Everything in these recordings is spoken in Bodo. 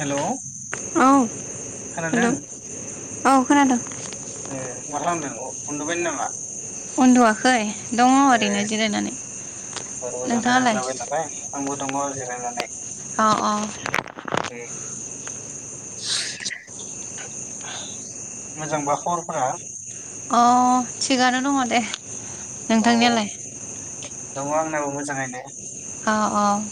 हेलौ, औ हेलौ खोनादों औ खोनादों ए मा खालामदों उ- उन्दुबाय नामा उन्दुवाखै दङ ओरैनो जिरायनानै रजानाया नोंथाङालाय जाबाय नालाय आंबो दङ जिरायनानै नै अ अ मोजांबा खबरफोरा अ थिगानो दङ दे। औ नोंथांनियालाय दङ आंनाबो मोजाङैनो औ औ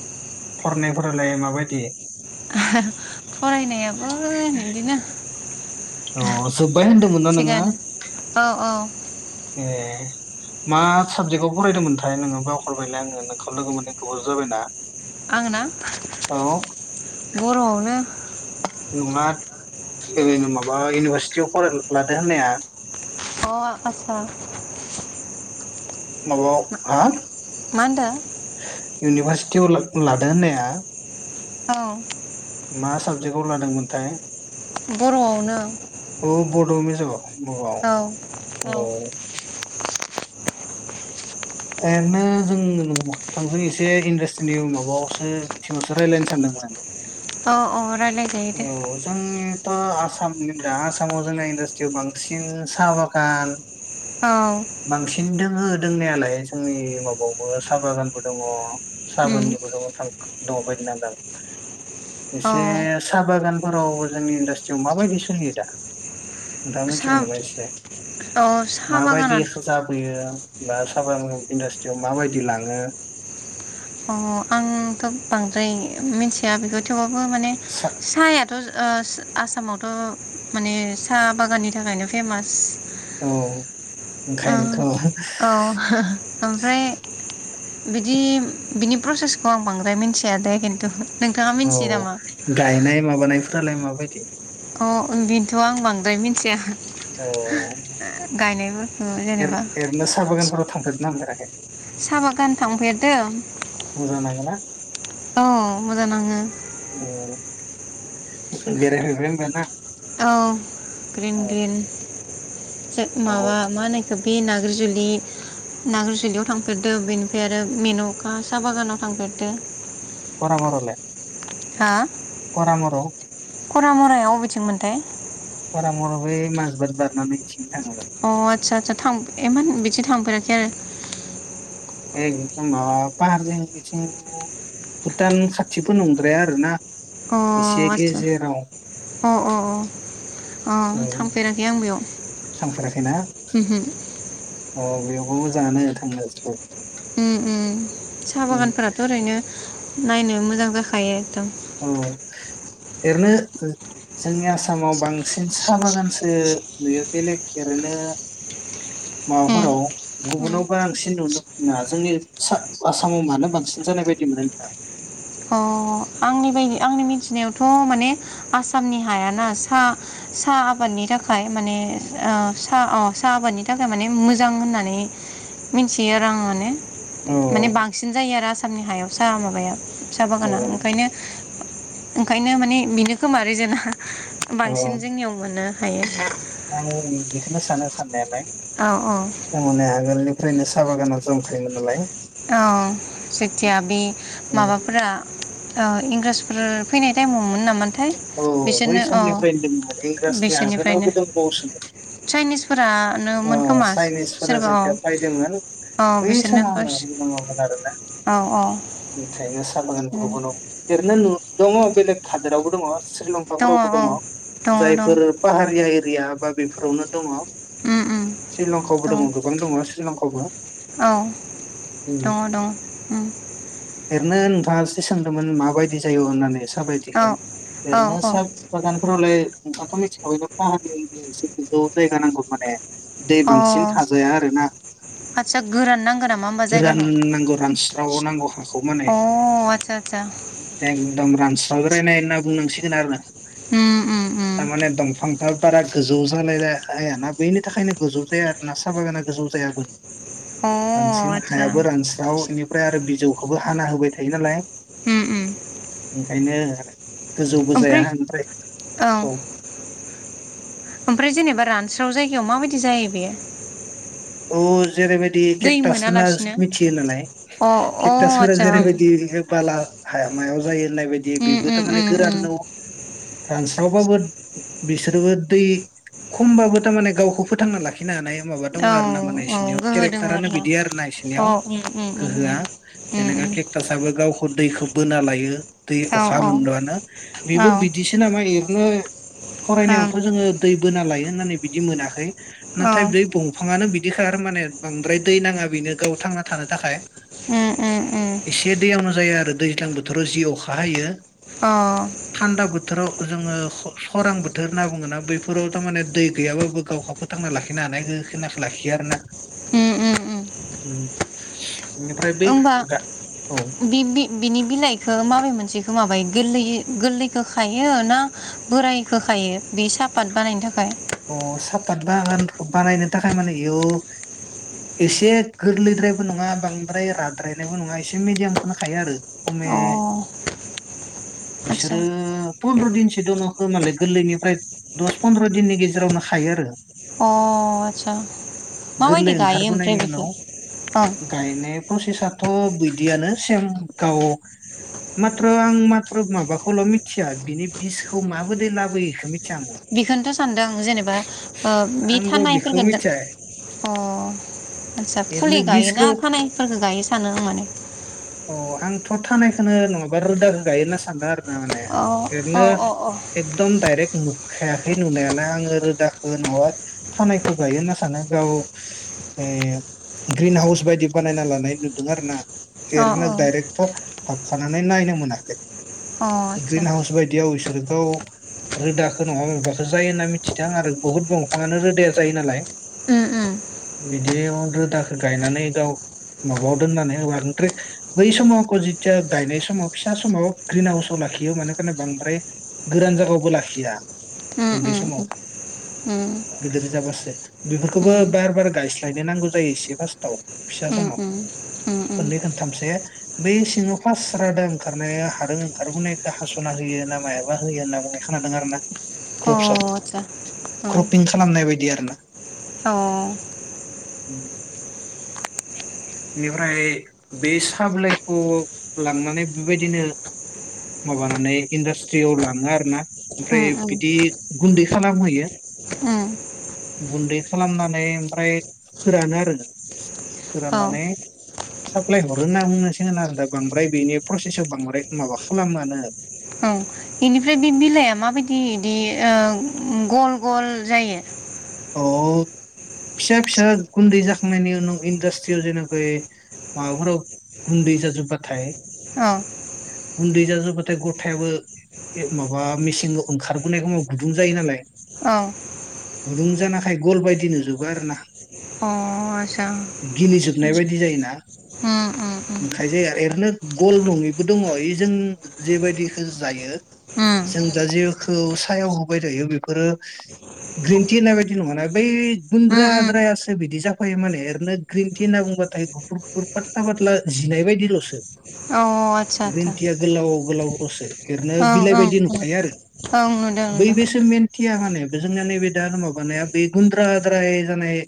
फरायनायफोरलाय माबायदि फरायनायाबो बिदिनो थिगानो जोब्बाय औ होनदोंमोन ना नोङो औ [inaudible] ए मा साबजेक्टआव फरायदोंमोनथाय नोङो बावखारबायलाय आङो नोंखौ लोगो मोनो गोबाव जाबायना आंना औ बर'आवनो नङा ओरैनो माबा इउनिभारसिटियाव फराय लादो होननाया अ आसा माबाव हा मानदों। इउनिभारसिटियाव लादों होननाया औ मास साबजेक्टआव लादोंमोनथाय बरआवनो ज औ औ [inaudible] [unintelligible] ओरैनो जों थांजों एसे इन्डास्ट्रिनि माबायावसो बिथिङावसो रायजलायनो सानदोंमोन आङ अ अ रायलाय जायोदों आसाम दा आसामाव जोंना इन्डासट्रियाव बांसिन साहा बागान औ बांसिन द आंङो दोंनायालाय जोंनि माबायावबो साहा बागानबो दङ उम साबोननिबो दङ थां दङबायायदि नदां औ एसे साहा बागानफोराव जोंनि इडास्ट्रियाव माबायदि सोलियो दा नोंथाङा मिथिगौ साहा नबाय इसेलाय औ साहा बागाना माबायदिखौ जाबोयो बा साबा इन्डास्ट्रियाव माबायदि लांङो अ आंथ बांद्राय मिथिया बेखौ थेवबबो थबो माने सा साहायाथ आसामावथ माने साहा बागाननि थाखायनो फेमास [unintelligible] औ ओ ओंखायनोथ औ ओमफ्राय बिदि बिनि प्रसेसखौ आं बांद्राय मिथिया दे खिन्थु नोंथाङा औ मिन्थियो नामा गायनाय माबानाय ब्रालाय माबायदि अ बेनोथ आं बांद्राय मिथिया अ जेनेबा एरनो साहा बागानफोराव थां थांपेराखै साहा बागान थांफेरदों मोजां नाङोना औ मोजां नां ओ [unintelligible] औ ग्रिन ग्रिन औ माबा मानायखो बे न नागारजुलियाव थांफेरदो बेनिफ्राय आरो मेन'क साहा बागानाव थांफेरदो खरांगरलाय। हा। माराव' खरा मरायाव अबेथिंमोनथाय। आाम बे मस बाद बाराै। अ आतसा आतसा थ इ बिदिनो। थांफेराखै आरो एखदम माबा पाहार जोंंखिथिं भुटान खाथिबो नंद्राया आरो ना । अ आदसा अ अ अ। अ औ थांफेराखै आं बेयाव थांफेराखैना ओमहो । अ बेयावबो मोजांआनो उम उम साहा बागानफोराथ' ओरैनो नायनो मोजां जाखायो । औ। ओरैनो जोंनि आसामाव बांसिन साहा बागानसो नुयो बेलेग ओरैनो उम माबाफोराव गुबुनाव उम बांसिन नुनो नङा जोंनि सा आसामाव मानो बांसिन जानाय बायदि मोनो नोंथांआ? अ आंनि बायदि आंनि मिथिनायावथ' माने आसामनि हायाना सा सा आबादनि थाखाय माने स साहा आबादनि थाखाय माने मोजां होननानै मिथियो आरो आं माने । औ माने बांसिन जायो आरो आ सामनि हायाव साहा माबाया सा औ बागाना ओंखायनो ओंखायनो माने बेनो खोमा रिजोन आ । औ बांसिन जोंनियाव मोनो। हायो। आं अबेनि बेखौनो सानो साननायालाय औ । [unintelligible] ओरैनो साहा बागानाव जोंथायोमोन नालाय औ जेतिया बे माबाफोरा इंराजफोर फैनाय टाइमआवमोन ना औ बै समनिफ्रायनो दोङोमोन इंराजनि आगोलावबो दंबावसोमोन । फ्रानोमोन खोमा सोरबा औ जेथिया फैदोंमोन औ बै बिसोरनो समावनो दङमोन आरोना औ औ बेखायनो [unintelligible] एरैनो नु दङ बेलग हादोर आवबो दङ । श्रीलंका फोरावबो दङ दङ दङ जायफोर पाहारिया ए रिया बा बेफोरावनो दङ'। उम उम श्रीलंकावबो दङ गोबां दङ श्रीलं आवबो औ दङ' दं उम। एरनो नोंथाङा एसे सोंदोमोन माबायदि जाय' हननानै साबायदिखौ औ ओरैनो औ औ साहा बागानफोरावलाय नोंथाङाथ' मिनथिखाबाय पाहार जायगाया इसे गोजौ जायगा नांगौ माने दै अ बांसिन थाजाया आरोना [inaudible] आदसा गोरान नांगो ना गोरान नांगौ रानस रावाव नांगौ हास अ आचसा आचसा सावग्रायनाय होनना बुंनांसिगोन आरो उम उम उम। थारमाने दंफांफ्रा बारा गोजौ जालाय आइयाना बैनि थाखायनो गोजौ जाया आर' ना साहा बागाना गोजौ जायामोन। अ बांसिन आदसा हायाबो रानस्रावनि ओमफ्राय आरो बिजौखौबो हाना होबाय थायो नालाय उम उम ओंखायनो आरो गोजौबो जाया ओमफ्राय औ। ओमफ्राय जेनेबा रानस्राव जायगायाव माबायदि जायो बेयो। औ। जेरैबायदि दै केकटास होनना मोनालासिनो मिथियो नालाय अ केकटासफोरा आदसा जेरैबायदि ओं बाला हाया मायाव जायो। नाय बायदि बेबोथ' उम माने उम उम गोरान न' रानस्रावबाबो बिसोरबो दै खमबाबो थारमाने गावखौ फोथांना लाखिनो हानाय। माबा दं औ आ तामाने औ बिनियाव गोहो दङ केरेक्टारानो आरोना बिदि आरो ना औ बिसोरनियाव उम उम उम गोहोआ उम उम जेनेबा उम केेटासबो गाव दैखौ बोना लायो। दै औ अखा औ ओं मोनल'आनो बेबो औ बिदिसो नामा एरनो फरायनायावथ' जोङो दै बोना लायो होननानै बिदि मोनाखै। नाथाय बै दंफाङानो बि बिदिखा माने बांद्राय दै नाङा बेनो गाव थांना थानो थाखाय उम उम उम [inaudible] एसे दैयावनो जायो आरो दैज्लां बोथोराव जि अखा हायो। अ थोराव जोङो खरां बोथोर होनना बुङोना बैफोराव थारमाने दै गैयाबाबो गावखौ फोथांना लाखिनो हानाय गोहोखेनाखो ला खि आरो ना उम उम उम ओमफ्राय बै गा औ बि-बि-बिनि बिलाइखो माबे मोनसेखो माबाय गोरलै गोरलैखो खायो ना बोरायखौ खायो बे सापात बानायनो थाखाय? अ' सा पात बागान बानायनो थाखाय माने इयो एसे गोरलैद्रायबो नङा बांद्राय राद्रायनायबो नङा एसे मिडियामखोनो खायो आरो खमे अ आदसा बिसोरो पन्द्र दिनसो दोनो खोमालै गोरलैनिफ्राय दस पन्द्र' दिननि गेजेर जेरावनो खायो आरो। अ' आच्छा गोरलै माबायदि गायो ओमफ्राय ओंखारबोनायनि उनाव बेखो ओ। थ' बिदियानो सेम गाव माथ्र' आं माथ्र' माबाखौल' मिथिया बिनि बिसखौ माबोरै लाबोयोखो मि बेखौनोथ' सान दों जेनेबा ओ बि आंबो थानाय बेखौ फोरखोदो मिथिया अ' आच्छा ओरैनो फुलि बिसखौ गायोना थानायफोरखो गायो सानो आं माने। अ' आंथ' थानायखोनो नङाबा रोदाखो गायो होनना सानदों आरो। माने अ अ एरैनो अ एकदम डाइरेक्ट मु खायाखै नुनायालाय आङो रोदाखौ न'आव थानायखौ गायो होनना सानो गाव ए ग्रिन हाउस बायदि बानायना लानाय नुदों आरोना। अ एरेनो डाइरेक्टर थाबथानानै नायनो मोनाखै। अ आदसा ग्रिन हाउस बायदियाव इस थ' रोदाखौ न'आव माबाखो जायो होनना मिथिदों आरो बुहुद दंफाङानो रोदाया जायो नालाय उम उम बिदियाव रोदाखौ गायनानै गाव माबायाव दोननानै होबा [unintelligible] बै समाव कजिथाया गायनाय समाव फिसा समाव ग्रिन हाउसाव लाखियो मानोखाने बांद्राय गोरान जायगायावबो लाखिया उम उन्दै उम समाव उम गोदिर जाबासो बेफोरखौबो उम बार बार गायस्लायनो नांगौ जायो एसे फार्स्टाव फिसा उम समाव। उम उम उम खननै खनथामसे बै सिङाव फार्स्ट रादा ओंखारनाया हादों ओंखारबोनायखौ हास'ना होयो ना मायाबा होयो होनना बुंनाय खोनादों आरोना अ क्रपसआव आदसा अ क्रपिं खालामनाय बायदि आरोना अ उम बेनिफ्राय बे साबलाइखौ लांनानै बेबायदिनो माबानानै इन्डास्ट्रीयाव लाङो आरोना उम ओमफ्राय बिदि उम गुन्दै खालामहोयो गुन्दै खालामनानै ओमफ्राय फोरानो आरोना। औ फोराननानै साप्लाय हरो होनना बुंनोसिगोन आरो दा बांद्राय बेनि प्रसेसखौ बांद्राय माबा खालामानो। इनिफ्राय बे बिलाइआ माबायदि इदि ओ गल गल जायो? अ' फिसा फिसा गुन्दै जाखांनायनि उनाव इण्डास्ट्रियाव जेनखै माबाफोराव गुन्दै जाजोबबाथाय औ गुन्दै जाजोब बाथाय गथायाबो माबा मेचिन रोखोम ओंखारबोनायखौ गुदुं जायो नालाय। औ दुंजानाखाय गल बायदि नुजोबो आरो ना। अ' आसा गिलिजोबनाय उम, उम उम, उम। खायजाया ओरैनो गल नङैबो दङ इ जों जेबायदिखो जायो उम जों दा जेखौ सायाव होबाय थायो बेफोरो ग्रिन टि होननाय बायदि नङाना बै गुन्द्रा उम उम द्रायासो बिदि जाफायो माने ओरैनो ग्रिन टि होनना बुंबाथाय गुफुर गुफुर पाथ्ला पाथ्ला जिनाय बायदिल'सो। औ आतसा ग्रिन आतसा टिया गोलाव गोलावल'सो ओरैनो ओं बिलाइ ओं बायदि ओं नुखायो आरो ओं नुदों नुदों बैबेसो मेन टिया माने जोंनिया नैबे [unintelligible] माबानाया बे गुन्द्रा द्राय जानाय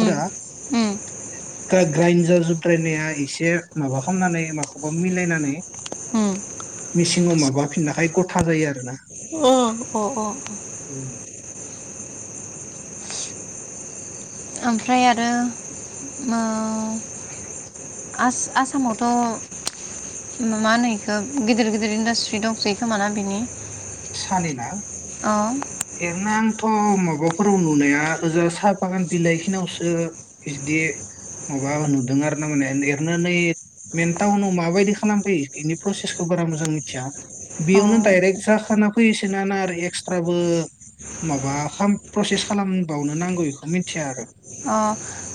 उम उम ग्रा-ग्राइन्जार जुद्रायनाया एसे माबा खालामनानै माखौबा मिलायनानै उम मेचिन माबा फिननायखाय गथा जायो आरोना अ अ अ उम। ओमफ्राय आरो ओ आस-आसामावथ' मा होनो इखौ गिदिर गिदिर इन्डासट्रि दंसै खोमाना बिनि? सानि ना अ' [unintelligible] थ' माबाफोराव नुनाया ओजा साहा बागान बिलाइ खिनावसो बिदि माबा नुदों आरोना माने एरनानै मेन टाउनाव माबायदि खालामफैयो बेनि प्रसेसखौ बारा मोजां मिथिया बेयावनो आतसा दाइरेक्ट जाखाना फैयोसोना ना आरो एक्सट्राबो माबा खाम प्रसेस खालामबावनो नांगौ इखौ मिथिया आरो। अ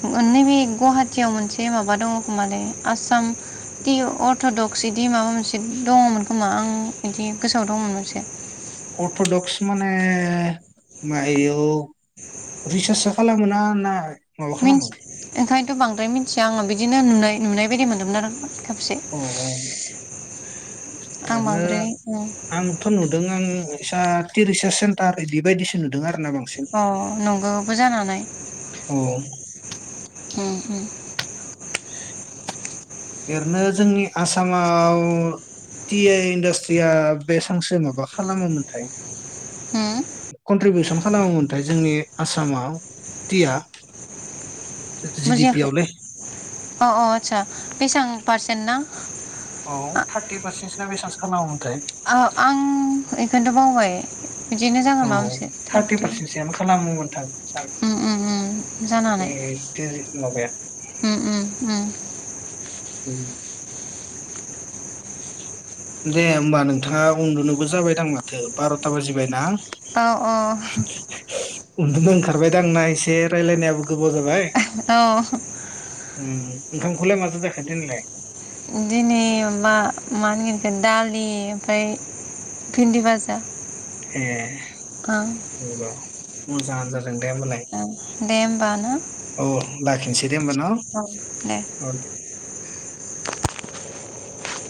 नैबे गुवाहाटियाव मोनसे माबा दङ'। माने आसाम टि अर्थडक्स इदि माबा मोनसे दङमोन खो खोमा आं इदि गोसोआव दङमोन। से। अर्थ'डक्स माने मायाव रिसार्चो खालामो ना ना माबा खालामो। मिन्थि ओंखायनोथ' बांद्राय मिथिया आं बिनो नुनाय नुनाय बायदि मोन्दोंमोन आरो। खेबसे। ओम आं ओरैनो बांद्राय आंथ' नुदों आं फिसा टि रिसार्च सेन्टार इदिबायदिसो नुदों आरो। ना बांसिन अ नंगौबो जानो हानाय। औ उम उम। ओरैनो जोंनि आसामाव टि आ इन्डास्ट्रिया बेसांसो माबा खालामोमोनथाय उम कन्ट्रिबिउसन खालामोमोनथाय जोंनि आसामाव टिया। जि डि पि बुजियाखै आवलै अ अ। आस्सा बेसेसबां पारसेन्ट ना। औ थार्टि पारसेन्टसोना बेसांसो खालामो। आ आं इखौनोथ' बावबाय। ओम औ थारटि पारसेन्टसोयानो खालामोमोन। [unintelligible] उम उम उम जानो ए हानाय [unintelligible] माबाया उम उम उम। ओम दे होमबा नोंथाङा उन्दुनोबो जाबायदां माथो बार'था बाजिबाय ना। औ औ। उन्दुनो ओंखारबाय दां ना एसे रायज्लायनायाबो गोबाव जाबाय। औ। उम ओंखामखौलाय माजो जाखो दिनैलाय। दिनै मा मा होनगोनथाय दालि ओमफ्राय भिन्दि बाजा। ए नंग। मोजां आनो जादों दे होमबालाय। दे होमबा ना। औ लाखिनोसै। देदे होमबा न औ दे औ।